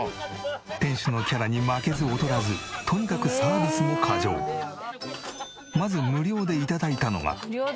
店主のキャラに負けず劣らずとにかくまず無料で頂いたのが。